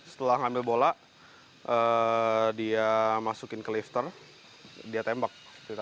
setelah ngambil bola dia masukin ke lifter dia tembak